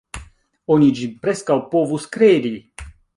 Oni ĝin preskaŭ povus kredi.